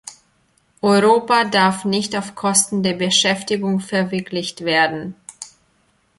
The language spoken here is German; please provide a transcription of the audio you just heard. Europa darf nicht auf Kosten der Beschäftigung verwirklicht werden.